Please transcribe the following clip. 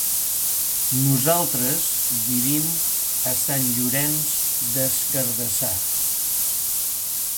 Nosaltres vivim a Sant Llorenç des Cardassar.